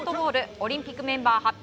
オリンピックメンバー発表